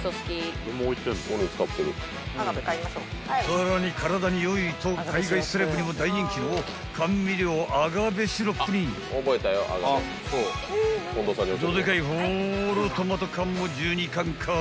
［さらに体に良いと海外セレブにも大人気の甘味料アガベシロップにどでかいホールトマト缶も１２缶カートへイン］